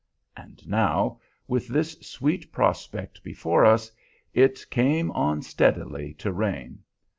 And now, with this sweet prospect before us, it came on steadily to rain.